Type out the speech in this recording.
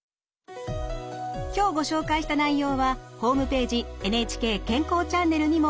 今日ご紹介した内容はホームページ「ＮＨＫ健康チャンネル」にも掲載されています。